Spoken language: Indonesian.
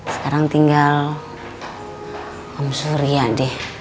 sekarang tinggal hong surya deh